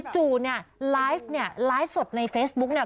จู่เนี่ยไลฟ์เนี่ยไลฟ์สดในเฟซบุ๊กเนี่ย